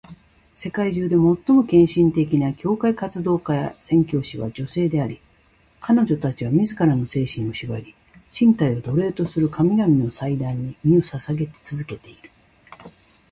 世界中で最も献身的な教会活動家や宣教師は女性であり、彼女たちは自らの精神を縛り、身体を奴隷とする神々の祭壇に身を捧げ続けている。